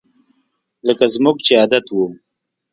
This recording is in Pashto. لکه زموږ چې عادت وو